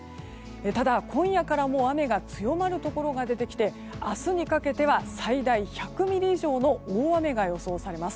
ただ、今夜からも雨が強まるところが出てきて明日にかけては最大１００ミリ以上の大雨が予想されます。